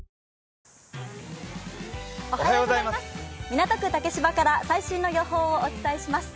港区竹芝から最新の予報をお伝えします。